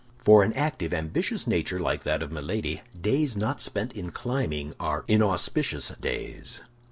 For an active, ambitious nature, like that of Milady, days not spent in climbing are inauspicious days.